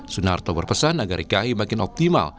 sunarto berpesan agar dki makin optimal